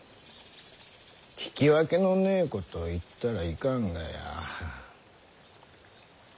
聞き分けのねえことを言ったらいかんがや。